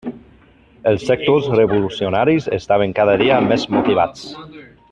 Els sectors revolucionaris estaven cada dia més motivats.